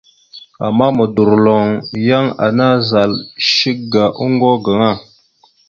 Ama modorloŋ, yan ana zal shek ga oŋgo gaŋa.